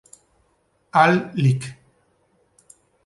Al Lic.